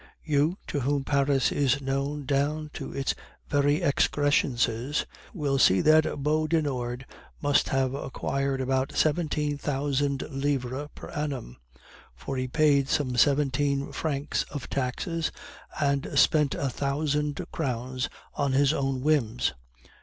You to whom Paris is known down to its very excrescences, will see that Beaudenord must have acquired about seventeen thousand livres per annum; for he paid some seventeen francs of taxes and spent a thousand crowns on his own whims.